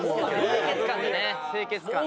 清潔感でね清潔感で。